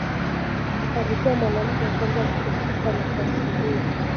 Alikuwa mwanamke wa kwanza kushika nafasi hiyo.